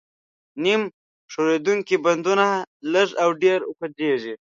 نیم ښورېدونکي بندونه لږ او ډېر خوځېږي.